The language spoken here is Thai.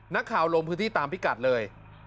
นักข่าวโรงพื้นที่ตามพิกัดเลย